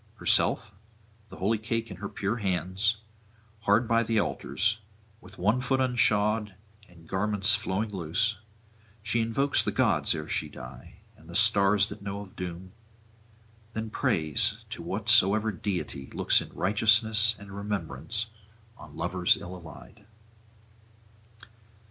... Herself, the holy cake in her pure hands, hard by the altars, with one foot unshod and garments flowing loose, she invokes the gods ere she die, and the stars that know of doom; then prays to whatsoever deity looks in righteousness and remembrance on lovers ill allied.